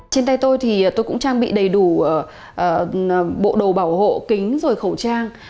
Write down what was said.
trên tay tôi thì tôi cũng trang bị đầy đủ bộ đồ bảo hộ kính rồi khẩu trang